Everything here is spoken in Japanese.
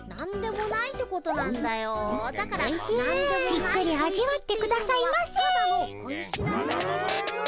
じっくり味わってくださいませ。